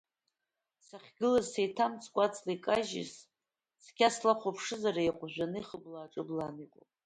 Сахьгылаз сеиҭамҵкәа аҵла икажьыз цқьа слахәаԥшызар, еиҟәжәаны, ихбыл-ҿбылны иҟоуп!